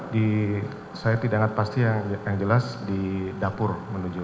di saya tidak ingat pasti yang jelas di dapur menuju